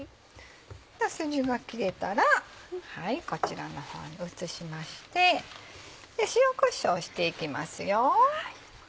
スジが切れたらこちらの方に移しまして塩こしょうしていきますよ。